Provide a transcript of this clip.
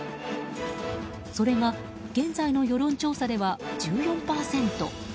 それが現在の世論調査では１４％。